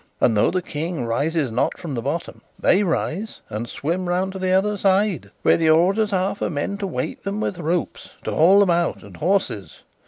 And though the King rises not from the bottom, they rise and swim round to the other side, where the orders are for men to wait them with ropes, to haul them out, and horses.